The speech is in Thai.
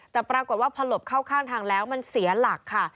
แต่ปรากฏว่าพอหลบเข้าข้างทางแล้วมันเสียหลักค่ะ